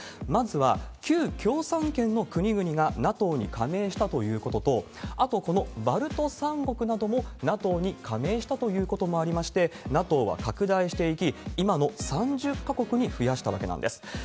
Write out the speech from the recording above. まずは旧共産圏の国々がＮＡＴＯに加盟したということと、あと、このバルト三国などもＮＡＴＯに加盟したということもありまして、ＮＡＴＯは拡大していき、今の３０か国に増やしたわけなんです。